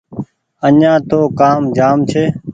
آڃآن تو ڪآم جآم ڇي